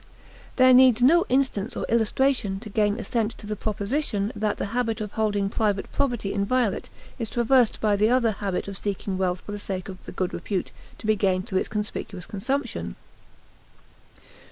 There needs no insistence or illustration to gain assent to the proposition that the habit of holding private property inviolate is traversed by the other habit of seeking wealth for the sake of the good repute to be gained through its conspicuous consumption.